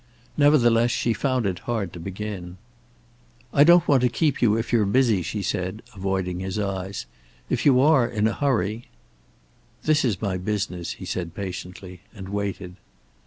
Nevertheless she found it hard to begin. "I don't want to keep you, if you're busy," she said, avoiding his eyes. "If you are in a hurry " "This is my business," he said patiently. And waited.